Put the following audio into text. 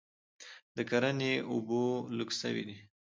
د کرني اوبه لږ سوي دي